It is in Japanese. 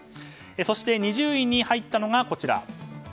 そして２０位に入ったのがこちら。